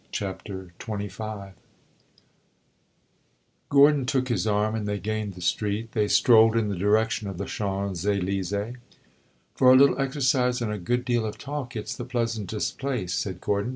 CHAPTER XXV Gordon took his arm and they gained the street; they strolled in the direction of the Champs Elysees. "For a little exercise and a good deal of talk, it 's the pleasantest place," said Gordon.